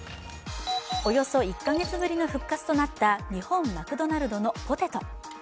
およそ１カ月ぶりの復活となった日本マクドナルドのポテト。